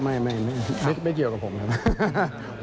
อ๋อไม่ครับไม่เกี่ยวกับผมครับ